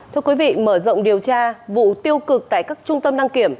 thưa quý vị mở rộng điều tra vụ tiêu cực tại các trung tâm đăng kiểm